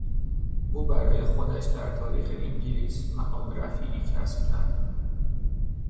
او برای خودش در تاریخ انگلیس مقام رفیعی کسب کرد.